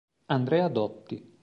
Andrea Dotti